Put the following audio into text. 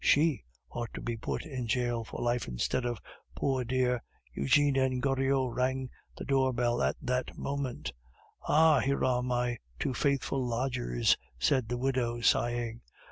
She ought to be put in jail for life instead of that poor dear " Eugene and Goriot rang the door bell at that moment. "Ah! here are my two faithful lodgers," said the widow, sighing.